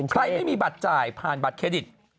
ไม่มีบัตรจ่ายผ่านบัตรเครดิต